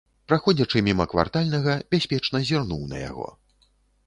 Праходзячы міма квартальнага, бяспечна зірнуў на яго.